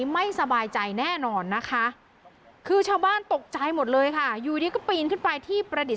มาพันขาตัวเอง